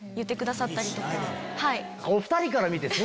お２人から見て。